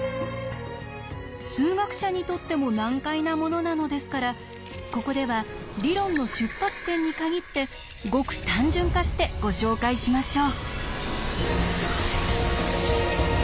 数学者にとっても難解なものなのですからここでは理論の出発点に限ってごく単純化してご紹介しましょう。